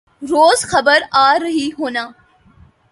روز خبر آرہی ہونا